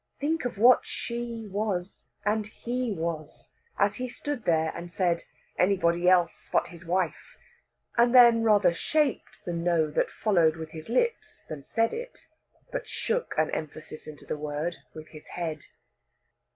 Think of what she was, and he was, as he stood there and said, "Anybody else, but his wife;" and then rather shaped the "No" that followed with his lips than said it; but shook an emphasis into the word with his head.